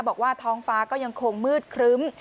บอกว่าท้องฟ้าก็ยังคงมืดครึ้ม